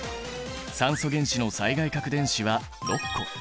酸素原子の最外殻電子は６個。